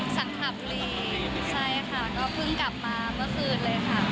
สังขารใช่ค่ะก็เพิ่งกลับมาเมื่อคืนเลยค่ะ